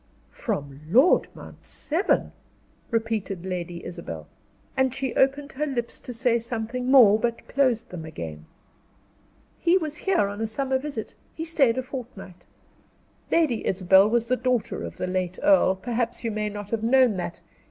"From Lord Mount Severn?" repeated Lady Isabel. And she opened her lips to say something more, but closed them again. "He was here on a visit in the summer; he stayed a fortnight. Lady Isabel was the daughter of the late earl perhaps you may not have known that.